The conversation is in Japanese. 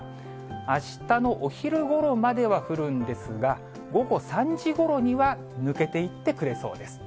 あしたのお昼ごろまでは降るんですが、午後３時ごろには抜けていってくれそうです。